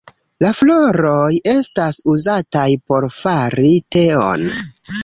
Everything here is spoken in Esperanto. La floroj estas uzataj por fari teon.